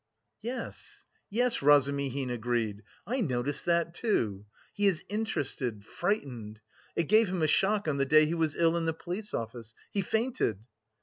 "Yes, yes," Razumihin agreed, "I noticed that, too. He is interested, frightened. It gave him a shock on the day he was ill in the police office; he fainted."